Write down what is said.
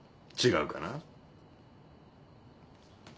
違うかな？